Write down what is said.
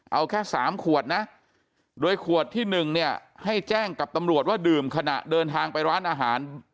เอาแค่๓ขวดนะโดยขวดที่๑เนี่ยให้แจ้งกับตำรวจว่าดื่มขณะเดินทางไปร้านอาหาร